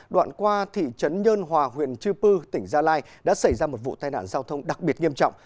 đoạn qua thị trấn nhân hòa huyện chư pư tỉnh gia lai đã xảy ra một vụ tai nạn giao thông đặc biệt nghiêm trọng